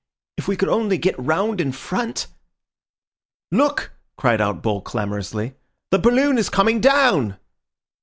If we could only get round in front—" "Look!" cried out Bull clamorously, "the balloon is coming down!"